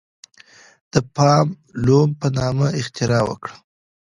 د پاور لوم په نامه اختراع وکړه.